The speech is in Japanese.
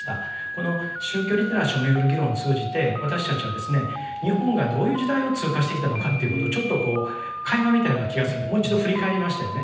この宗教リテラシーをめぐる議論を通じて私たちはですね日本がどういう時代を通過してきたのかということをちょっとこうかいま見たような気がするんでもう一度振り返りましたよね。